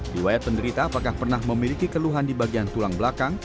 riwayat penderita apakah pernah memiliki keluhan di bagian tulang belakang